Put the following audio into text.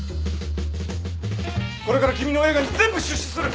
これから君の映画に全部出資する。